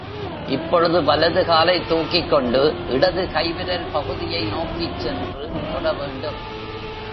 இப்பொழுது, வலது காலைத் தூக்கிக் கொண்டு இடது கை விரல் பகுதியை நோக்கிச் சென்று தொட வேண்டும்.